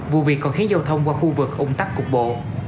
vụ việc còn khiến giao thông qua khu vực ủng tắc cục bộ